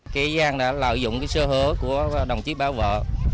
cái gian đã lợi dụng cái sơ hứa của đồng chí bảo vệ